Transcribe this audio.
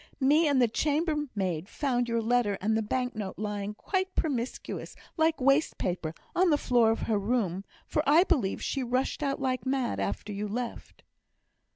Me and the chambermaid found your letter and the bank note lying quite promiscuous, like waste paper, on the floor of her room; for I believe she rushed out like mad after you left."